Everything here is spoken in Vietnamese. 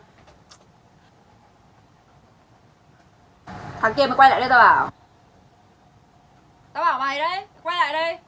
quay lại đây